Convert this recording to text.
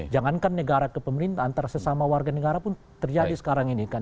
jangankan negara kepemerintah antara sesama warga negara pun terjadi sekarang ini kan